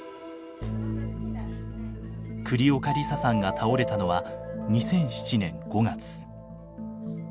栗岡梨沙さんが倒れたのは２００７年５月。